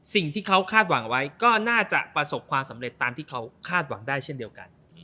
สิ่งที่เขาคาดหวังไว้ก็น่าจะประสบความสำเร็จตามที่เขาคาดหวังได้เช่นเดียวกัน